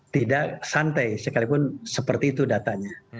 tidak santai sekalipun seperti itu datanya